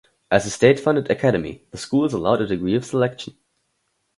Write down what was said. As a state-funded academy the school is allowed a degree of selection.